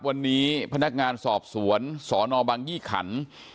วันนี้พนักงานสอบสวนสนบังยี่ขัน